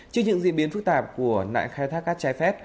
trước những diễn biến phức tạp của nạn khai thác cát trái phép